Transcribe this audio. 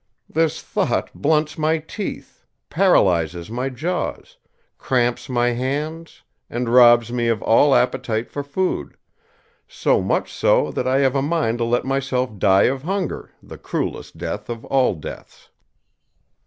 This thought blunts my teeth, paralyses my jaws, cramps my hands, and robs me of all appetite for food; so much so that I have a mind to let myself die of hunger, the cruelest death of all deaths."